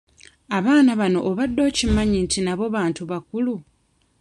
Abaana bano obadde okimanyi nti nabo bantu bakulu?